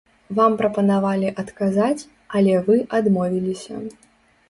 Вам прапанавалі адказаць, але вы адмовіліся.